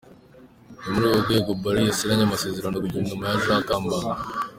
Ni muri urwo rwego Barril yasinyanye amasezerano na Guverinoma ya Jean Kambanda.